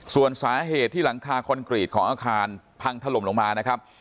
ส่วนสาเหตุที่หลังคาคอนกรีตของอาคารพังถล่มลงมานะครับ